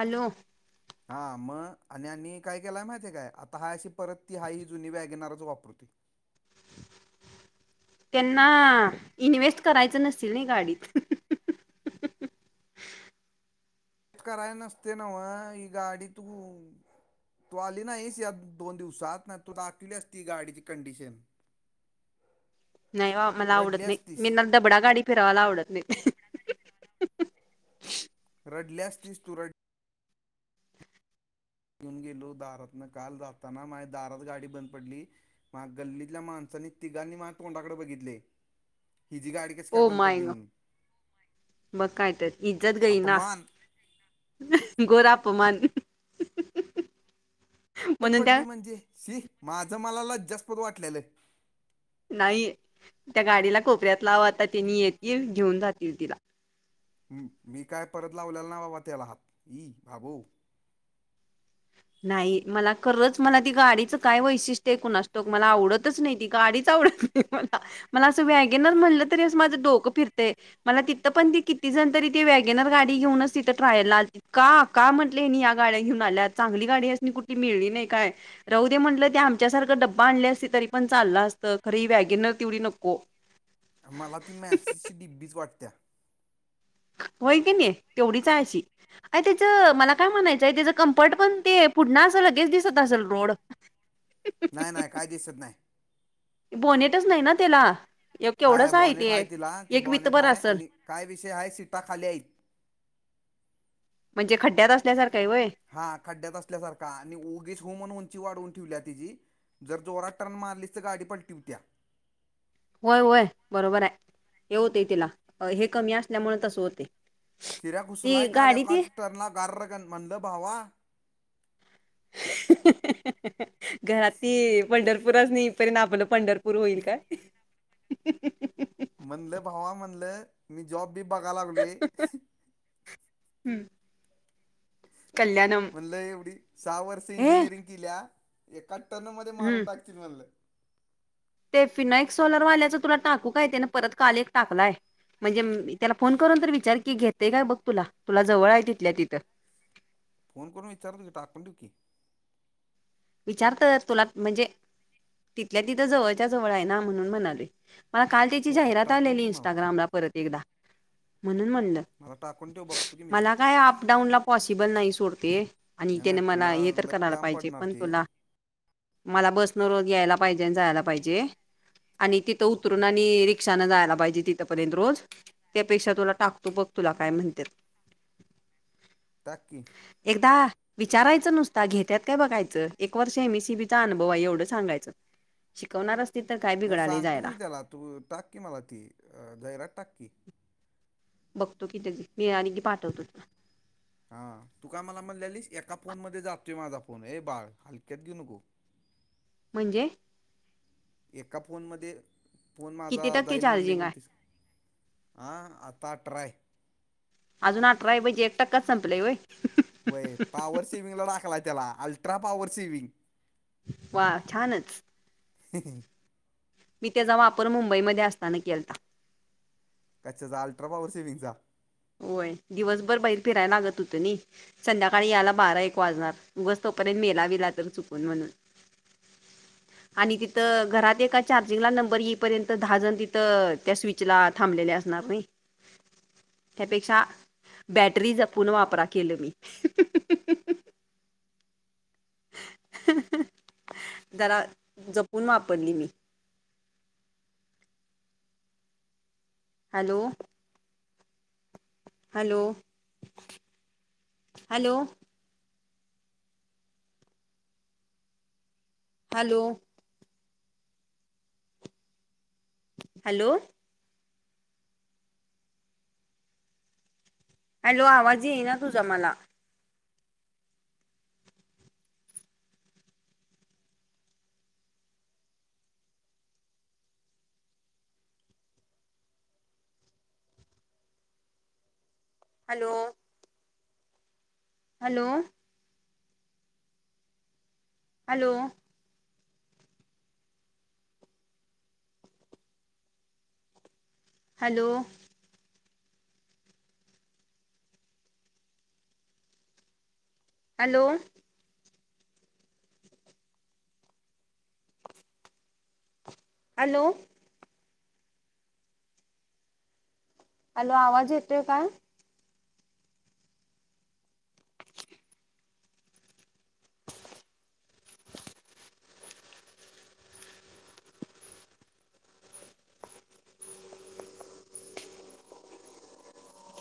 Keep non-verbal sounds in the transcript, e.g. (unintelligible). Hello. हा मग आणि यांनी काय केलाय माहितीय काय? आता हाय अशी परत ती हाय अशी जुनी बॅग घेणारच वापरून. त्यांना इन्व्हेस्ट करायच नसतील नाही गाडी. कराय नसते ना मग ही गाडी तू तू आली नाहीस. या दोन दिवसात. नाहीतर तूला दाखवली असती गाडीची कंडिशन नाही ओ. आम्हाला रडली आवडत नाही. असतीस मी ना डबडा गाडी फिरावायला आवडत नाही. रडलीअसतीस तू रड घेऊन गेलो दारातन. काल जाताना माझी दारात गाडी बंद पडली. म गल्लीतल्या माणसानी तिघांनी माझ्या तोंडाकडे बघितले. हिजी गाडी कशी काय ओ बंद माय. पडली म्हणून मग कायतर इज्जत गई ना. अपमान घोर अपमान. बंद म्हणून त्या पडली म्हणजे, शी माझं मला लज्जास्पद वाटलेलं. नाही. त्या गाडीला कोपऱ्यात लाव आता तिनी येतील घेऊन जातील तिला. मी काय परत लावलेला नाय बाबा त्याला हात. बाबो, नाही मला खरंच मला ती गाडीचं काय वैशिष्ट्य आहे. कुणास ठाऊक मला आवडतच नाही ती गाडीच आवडत. मला असं वॅगेनर म्हटलं तरी असं माझं डोकं फिरते. मला तिथं पण ती किती जण तरी ते वॅगेनर गाडी घेऊनच तिथं ट्रायला आलते. का काय म्हटलं हेनी या गाड्या घेऊन आल्यात. चांगली गाडी आहे कुठे मिळली नाही काय राहु दे म्हटलं, ते आमच्यासारखं डब्बा आणले असत तरी पण चालल असतं. खरी वॅगिनर तेवढी नको. (inaudible) मला ती माचिसची डबीच वाटत्या. होय की नाही तेवढीच आहे ती. अ त्याचं मला काय म्हणायचं आहे. त्याचं कम्फर्ट पण ते पुढण असं लगेच दिसत असेल रोड (inaudible) नाही नाही काही दिसत नाही. बोनेटच नाही ना त्याला, एक हाय हाय केवढंच ते बॉनेट आहे तिला ते एक बॉनेटा वितभर आहे असल आणि काय विषय आहे सीटा खाली आहेत. म्हणजे खड्डयात असल्यासारखं आहे होय. हा खड्ड्यात असल्यासारखा आणि उगीच हु म्हणून उंची वाढवून ठेवल्या तिची. जर जोरात टर्न मारलीच तर गाडी पलटी होत्या. होय होय बरोबर आहे. हे होतय तिला. हे कमी असल्यामुळे तस होते. शिऱ्या घुसलाय काल एकाच टर्नला गार्रकन म्हणल भावा, घरातली पंढरपूरसाण येईस्तोवर आपलं पंढरपूर पंढरपुरं होईल काय. हम्म म्हणलं भावा म्हणलं मी जॉब बी बघाय लागलोय. हम् कल्याणम. म्हणलं एवढी सहा वर्ष हे इंजिनिअरिंग केल्या एकाच टर्न मध्ये मारून हम्म टाकतील म्हणलं. ते फिनायक्स सोलरवाल्याच तुला टाकू काय त्याने परत काल एक टाकलाय. म्हणजे त्याला फोन करून तर विचार की घेतेय काय बघ तुला तुला जवळ आहे तिथल्या तिथं. फोन करून विचारतो की टाकून ठेव की. विचार तोय तूला म्हणजे तिथल्या तिथं जवळच्या जवळ आहे ना म्हणून म्हणालोय. मला काल त्याची फो जाहिरात टाकून ठेव आलेली की मला इंस्टाग्रामला परत एकदा म्हणून म्हणलं. मला टाकून ठेव बघतो की मी ते मला काय अपडाऊन ला पॉसिबल नाही सोड ते. आणि नाही त्याने नाही मला तुला हे तर लय करायला लांब पाहिजे पडणार पण ते तुला. मला बसनं रोज यायला पाहिजे, आणि जायला पाहिजे. आणि तिथं उतरून आणि रिक्षान जायला पाहिजे तिथंपर्यंत रोज. त्यापेक्षा तुला टाकतो बघ तुला काय म्हणत्यात. टाक की. एकदा विचारायचं नुसतां घेत्यात काय बघाय च एक वर्ष एमसीबी चा अनुभव आहे एवढं सांगायचं, शिकवणार असतील तर काय नाही बिघडाल सांगतो की जायला. मी त्याला तू टाक. की मला ती अ जाहिरात टाक की. बघतो कि त मी आणि की पाठवतो. हा तू काय मला म्हणल्यालिस एका फोन मध्ये जातोय माझा फोन, ए बाळ हलक्यात घेऊ नको. म्हणजे? एका फोनमध्ये फोन माझा किती टक्के जाईल म्हनली चार्जिंग आहे नव्हतीस. आ आता ट्राय. अजून अठरा एवजी पाहिजे एक टक्काच संपलाय व्हयं. व्हयं पॉवर सेव्हिंगला टाकलाय त्याला अल्ट्रा पॉवर सेव्हीग. वा छानच. (inaudible) मी तेचा वापर मुंबईमध्ये असताना केलता. कचाच्या अल्ट्रापावर सेविंगचा. व्हय दिवसभर बाहेर फिराया लागत होतं नई. संध्याकाळी यायला बारा एक वाजणार उगच तोपर्यंत मेला विला तर चुकून म्हणून. आणि तिथ घरात एका चार्जिंगला नंबर येईपर्यत दहाजण तिथ त्या स्वि चला थांबलेले असणार नहीं. त्यापेक्षा बॅटरी जपून वापरा केलं मी. जरा जपून वापरली मी. Hello! Hello, hello! Hello! Hello! Hello आवाज येईना तुझा मला. Hello! Hello! Hello! Hello! Hello! Hello! Hello आवाज येतोय का? (unintelligible)